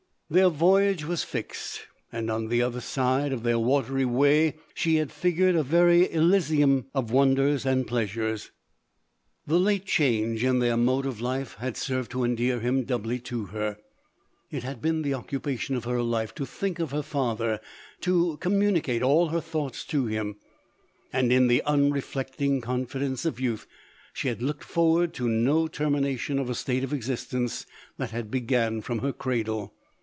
Their voyage was fixed, and on the other side of their watery way she had figured a very Elysium of wonders and pleasures. The late change in their n5 274 LODORE. mode of life had served to endear him doubly to her. It had been the occupation of her life to think of her father, to communicate all her thoughts to him, and in the unreflecting confi dence of youth, she had looked forward to no termination of a state of existence, that had began from her cradle.